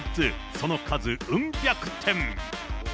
その数うん百点。